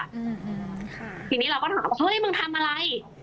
ทีนี้เราก็ถามเฮ้ยมึงทำอะไร